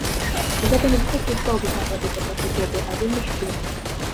І гэта не высокія словы з нагоды такой трагедыі, а вельмі шчыра.